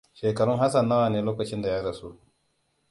Shekarun Hassan nawa ne lokacin da ya rasu?